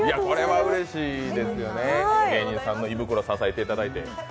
これはうれしいですよね、芸人さんの胃袋支えていただいて。